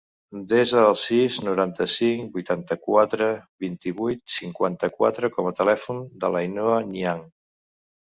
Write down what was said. Desa el sis, noranta-cinc, vuitanta-quatre, vint-i-vuit, cinquanta-quatre com a telèfon de l'Ainhoa Niang.